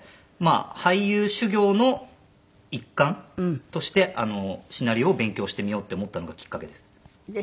俳優修業の一環としてシナリオを勉強してみようって思ったのがきっかけですね。